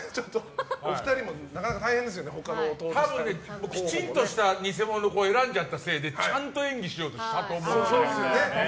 お二人もなかなか大変ですよね他の弟さんのほうもね。多分、きちんとした偽者の子を選んじゃったせいでちゃんと演技しようとしちゃったんでしょうね。